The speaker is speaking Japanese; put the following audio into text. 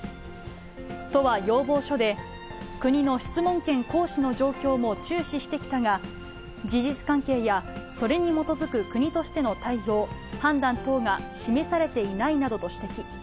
都は要望書で、国の質問権行使の状況も注視してきたが、事実関係や、それに基づく国としての対応、判断等が示されていないなどと指摘。